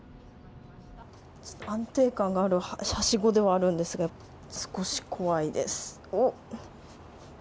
安定感があるはしごではあるんですが、少し怖いです。